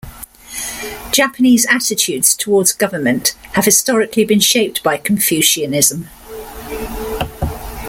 Japanese attitudes towards government have historically been shaped by Confucianism.